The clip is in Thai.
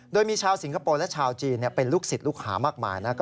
โดยมีชาวสิงคโปร์และชาวจีนเป็นลูกศิษย์ลูกหามากมาย